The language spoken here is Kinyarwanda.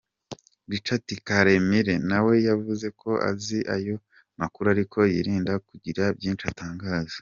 Richard Karemire, nawe yavuze ko azi ayo makuru ariko yirinda kugira byinshi atangaza.